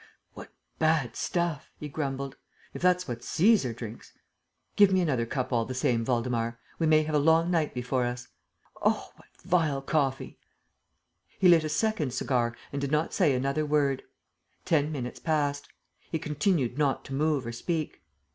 "What bad stuff!" he grumbled. "If that's what Cæsar drinks! ... Give me another cup all the same, Waldemar. We may have a long night before us. Oh, what vile coffee!" He lit a second cigar and did not say another word. Ten minutes passed. He continued not to move or speak.